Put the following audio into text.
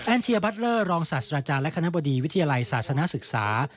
เทียบัตเลอร์รองศาสตราจารย์และคณะบดีวิทยาลัยศาสนศึกษา